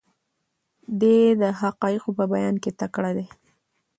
دی د حقایقو په بیان کې تکړه دی.